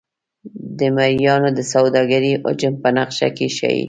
د مریانو د سوداګرۍ حجم په نقشه کې ښيي.